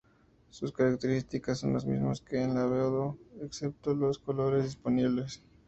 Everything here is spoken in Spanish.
Sus características son las mismas que en la Voodoo excepto en los colores disponibles.